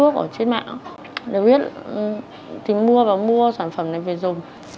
chị hát đã tìm mua và mua sản phẩm này về dùng